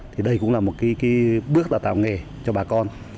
thì đây cũng là một cái bước đào tạo nghề cho bà con